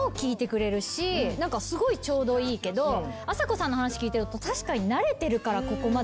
すごいちょうどいいけどあさこさんの話聞いてると確かに。めるるはどっち派？